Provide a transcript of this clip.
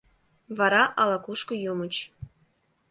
Вара ала-кушко йомыч.